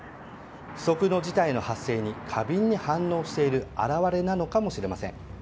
不測の事態の発生に過敏に反応している表れなのかもしれません。